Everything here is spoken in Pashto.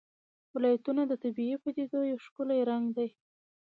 ولایتونه د طبیعي پدیدو یو ښکلی رنګ دی.